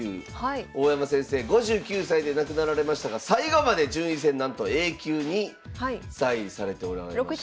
大山先生５９歳で亡くなられましたが最後まで順位戦なんとＡ級に在位されておられました。